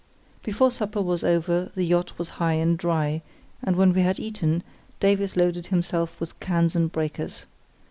Before supper was over the yacht was high and dry, and when we had eaten, Davies loaded himself with cans and breakers.